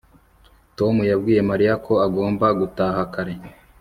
Tom yabwiye Mariya ko agomba gutaha kare